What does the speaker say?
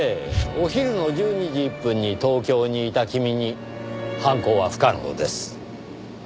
お昼の１２時１分に東京にいた君に犯行は不可能です。